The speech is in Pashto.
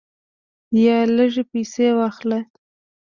یا لږې پیسې واخلې.